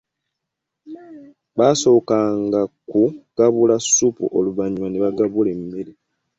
Baasookanga kugabula ssupu oluvanyuma ne bagabula emmere.